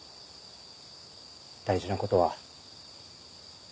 大事なことは。